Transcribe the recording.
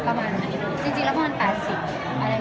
จริงละ๘๐อะไรก็ได้ใช้ภาษาจริง